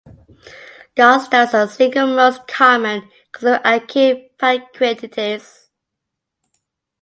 Gallstones are the single most common cause of acute pancreatitis.